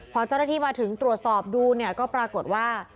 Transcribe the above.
พอเจ้าหน้าที่มาถึงตรวจสอบดูเนี่ยก็ปรากฏว่า